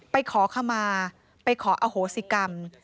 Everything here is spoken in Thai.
ไปขอคำมาไปขออโฮศิกรรม